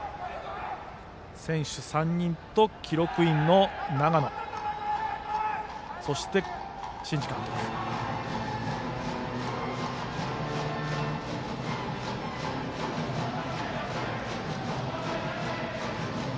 選手３人と記録員の永野そして、新治監督です。